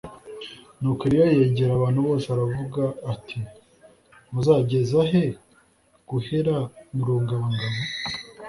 Nuko Eliya yegera abantu bose aravuga ati “Muzageza he guhera mu rungabangabo?